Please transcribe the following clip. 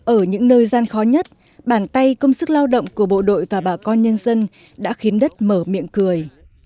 ở những nơi gian khó nhất bàn tay công sức lao động của bộ đội và bà con nhân dân đã khiến đất mở miệng cười